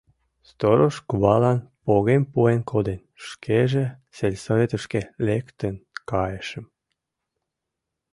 Сторож кувалан погем пуэн коден, шкеже сельсоветышке лектын кайышым.